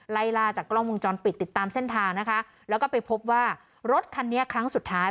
ไล่ล่าจากกล้องวงจรปิดติดตามเส้นทางนะคะแล้วก็ไปพบว่ารถคันนี้ครั้งสุดท้าย